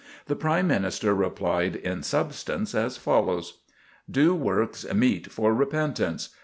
The Prime Minister replied in substance as follows: "Do works meet for repentance.